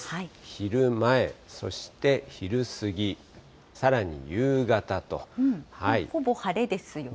昼前、そして昼過ぎ、ほぼ晴れですよね。